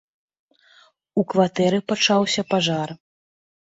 У кватэры пачаўся пажар.